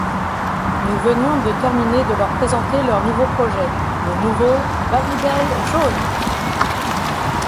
Nous venions de terminer de leur présenter leur nouveau projet, le nouveau Babybel Jaune.